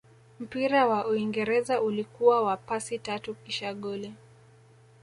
mpira wa uingereza ulikuwa wa pasi tatu kisha goli